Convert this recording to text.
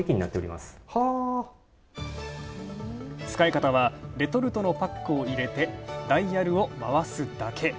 使い方はレトルトのパックを入れてダイヤルを回すだけ。